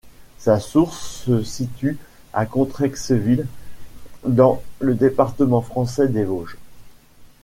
Sa source se situe à Contrexéville dans le département français des Vosges.